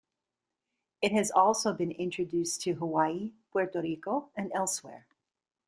It has also been introduced to Hawaii, Puerto Rico and elsewhere.